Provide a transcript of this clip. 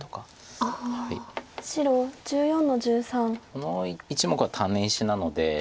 この１目はタネ石なので。